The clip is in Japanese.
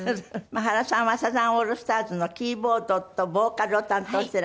原さんはサザンオールスターズのキーボードとボーカルを担当していらっしゃるんですけど。